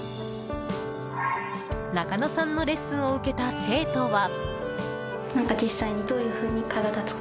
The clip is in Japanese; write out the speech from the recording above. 中野さんのレッスンを受けた生徒は。